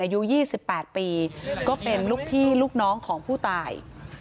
อายุยี่สิบแปดปีก็เป็นลูกพี่ลูกน้องของผู้ตาย